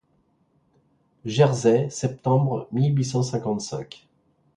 Jersey, septembre mille huit cent cinquante-cinq.